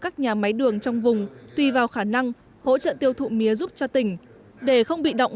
các nhà máy đường trong vùng tùy vào khả năng hỗ trợ tiêu thụ mía giúp cho tỉnh để không bị động